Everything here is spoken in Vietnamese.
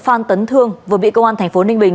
phan tấn thương vừa bị công an tp ninh bình